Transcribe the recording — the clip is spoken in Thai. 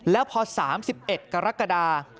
แล้วพอ๓๑กรกฎา